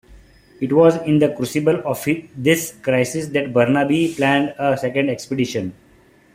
It was in the crucible of this crisis that Burnaby planned a second expedition.